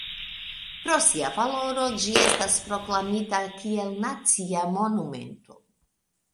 Pro sia valoro ĝi estas proklamita kiel nacia monumento.